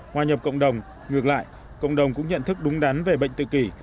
hòa nhập cộng đồng ngược lại cộng đồng cũng nhận thức đúng đắn về bệnh tự kỷ